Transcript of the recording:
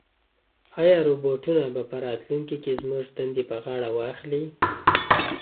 ایا روبوټونه به په راتلونکي کې زموږ دندې په غاړه واخلي؟